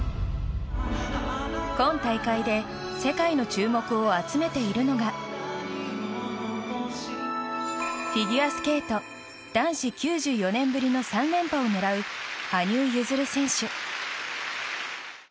今大会で世界の注目を集めているのがフィギュアスケート男子９４年ぶりの３連覇を狙う羽生結弦選手。